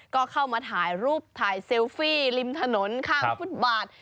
ก็เข้ามาถ่ายรูปถ่ายเซลฟี่ริมถนนข้างฟุตบาท